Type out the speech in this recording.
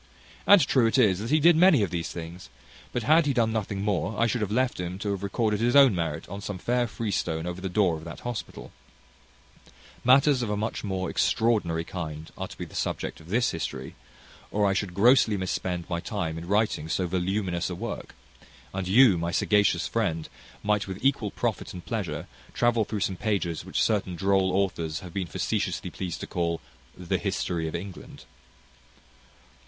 And true it is that he did many of these things; but had he done nothing more I should have left him to have recorded his own merit on some fair freestone over the door of that hospital. Matters of a much more extraordinary kind are to be the subject of this history, or I should grossly mis spend my time in writing so voluminous a work; and you, my sagacious friend, might with equal profit and pleasure travel through some pages which certain droll authors have been facetiously pleased to call The History of England.